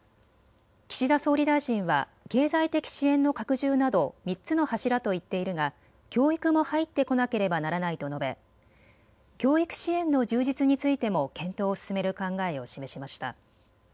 岸田総理大臣は経済的支援の拡充など３つの柱と言っているが教育も入ってこなければならないと述べ教育支援の充実についても検討を進める考えを示しました。